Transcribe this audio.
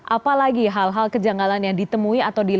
apa lagi hal hal kejanggalan yang ditemui atau diliputi